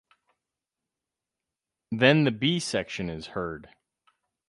Then the B section is heard.